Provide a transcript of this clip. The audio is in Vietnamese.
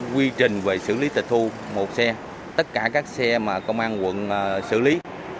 quy trình về xử lý tịch thu một xe tất cả các xe mà công an quận xử lý